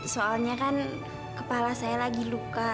soalnya kan kepala saya lagi luka